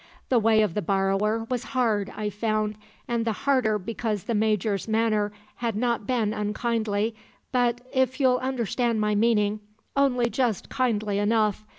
The way of the borrower was hard, I found, and the harder because the Major's manner had not been unkindly, but if you'll understand my meaning only just kindly enough.